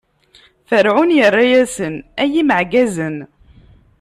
Ferɛun irra-asen: Ay imeɛgazen!